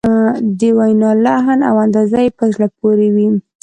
د وینا لحن او انداز یې په زړه پورې وي.